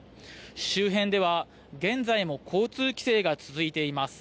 周辺では現在も交通規制が続いています。